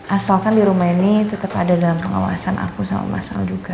asalkan di rumah ini tetap ada dalam pengawasan aku sama mas al juga